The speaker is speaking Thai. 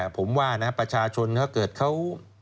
ผมว่านะประชาชนเขาเกิดเขา